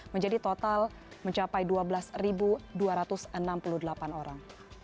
menjadi total mencapai dua belas dua ratus enam puluh delapan orang